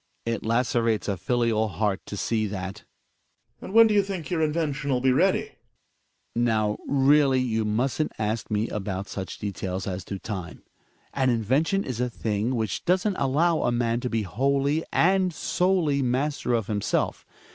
It lacerates a filial heart to see that I Greoers. And when do you think your invention'll be ready ? 76 TBE WILD BUCK. Hjalmar. Now, really you mustn't ask me about such details as to time. An invention is a thing which doesn't allow a man to be wholly and solely master of himself.